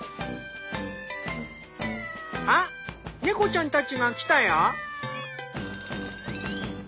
あっ猫ちゃんたちが来たよ。